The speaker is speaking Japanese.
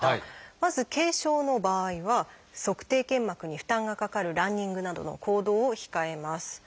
まず軽症の場合は足底腱膜に負担がかかるランニングなどの行動を控えます。